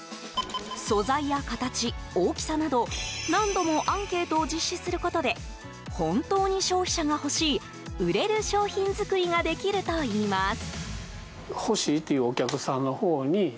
素材や形、大きさなど何度もアンケートを実施することで本当に消費者が欲しい売れる商品作りができるといいます。